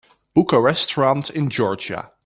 book a restaurant in Georgia